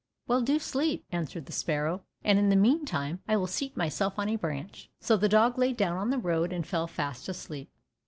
"Well, do sleep," answered the sparrow, "and in the meantime I will seat myself on a branch." So the dog lay down on the road, and fell fast asleep.